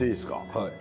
はい。